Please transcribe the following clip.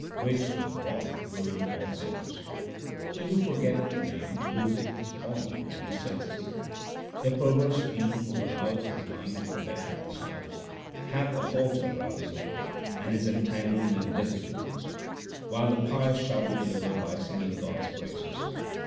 Which with wrath ruin all sinners. He who forgetteth the Name, loseth his honour and his senses. The perverse being who alloweth his mind to covet another s house, Hath a halter round his neck, and is entangled in diffi culties ; While the pious shall be delivered by singing God s praises.